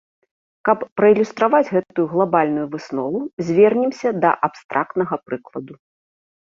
Каб праілюстраваць гэту глабальную выснову, звернемся да абстрактнага прыкладу.